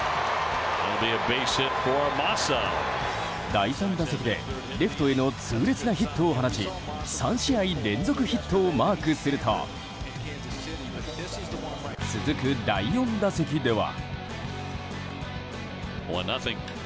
第３打席でレフトへの痛烈なヒットを放ち３試合連続ヒットをマークすると続く、第４打席では。